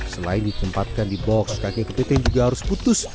selain ditempatkan di box kakek kepiting juga harus putus